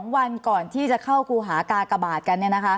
๒วันก่อนที่จะเข้าครูหากากบาทกัน